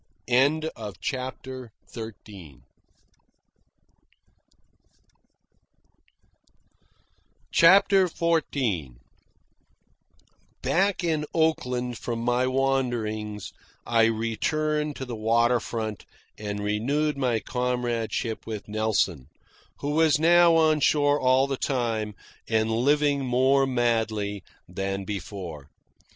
CHAPTER XIV Back in Oakland from my wanderings, I returned to the water front and renewed my comradeship with Nelson, who was now on shore all the time and living more madly than before.